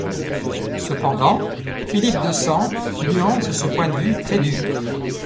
Cependant, Philippe Desan nuance ce point de vue très dur.